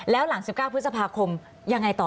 แล้วหลัง๑๙พฤษภาคมยังไงต่อ